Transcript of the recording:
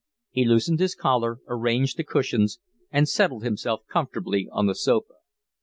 He loosened his collar, arranged the cushions, and settled himself comfortably on the sofa.